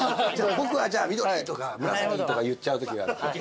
僕はじゃあ緑とか紫とか言っちゃうときがある。